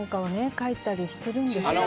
書いたりしてるんですけど。